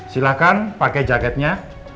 silahkan pakai jaketnya